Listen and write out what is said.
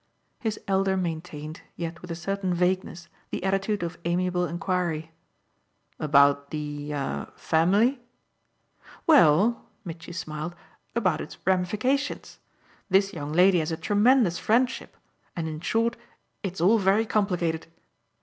His elder maintained, yet with a certain vagueness, the attitude of amiable enquiry. "About the a family?" "Well," Mitchy smiled, "about its ramifications. This young lady has a tremendous friendship and in short it's all very complicated."